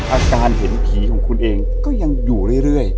อาการเห็นผีของคุณเองก็ยังอยู่เรื่อย